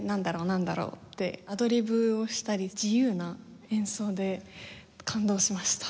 なんだろうってアドリブをしたり自由な演奏で感動しました。